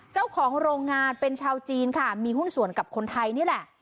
เจ้าของโรงงานเป็นชาวจีนค่ะมีหุ้นส่วนกับคนไทยนี่แหละ